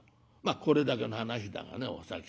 これだけの話だがねお崎さん